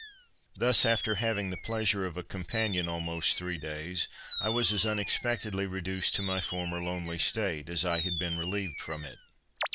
Thus, after having the pleasure of a companion almost three days, I was as unexpectedly reduced to my former lonely state, as I had been relieved from it.